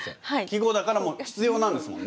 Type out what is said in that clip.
季語だからもう必要なんですもんね。